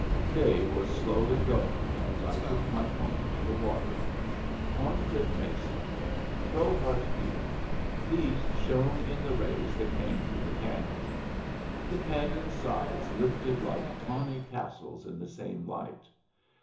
Day was slowly going as I took my pony to the water. Corncliff Mesa, Crowheart Butte, these shone in the rays that came through the canyon. The canyon's sides lifted like tawny castles in the same light.